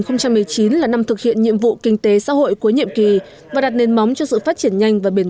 năm hai nghìn một mươi chín là năm thực hiện nhiệm vụ kinh tế xã hội cuối nhiệm kỳ và đặt nền móng cho sự phát triển nhanh và bền